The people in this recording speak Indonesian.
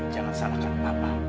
jangan salahkan papa